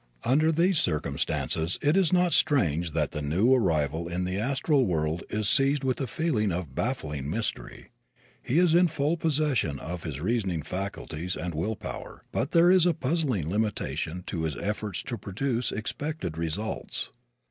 Under these circumstances it is not strange that the new arrival in the astral world is seized with a feeling of baffling mystery. He is in full possession of his reasoning faculties, and will power, but there is a puzzling limitation to his efforts to produce expected results.